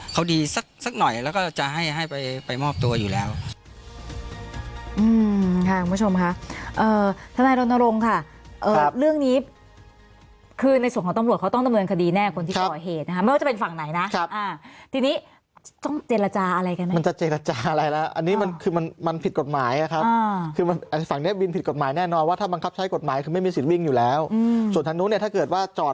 ก็จะไปมอบตัวอยู่แล้วค่ะคุณผู้ชมค่ะถ้าในรณรงค์ค่ะเรื่องนี้คือในส่วนของตำรวจเขาต้องดำเนินคดีแน่คนที่ต่อเหตุนะครับไม่ว่าจะเป็นฝั่งไหนนะครับทีนี้ต้องเจรจาอะไรกันมันจะเจรจาอะไรแล้วอันนี้มันคือมันมันผิดกฎหมายครับคือมันฝั่งเนฟวินผิดกฎหมายแน่นอนว่าถ้าบังคับใช้กฎหมายคือไม